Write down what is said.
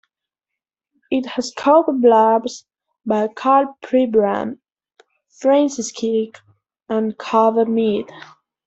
It has cover blurbs by Karl Pribram, Francis Crick, and Carver Mead.